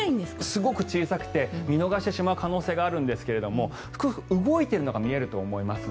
すごく小さくて見逃してしまう可能性があるんですが動いているのが見えると思います。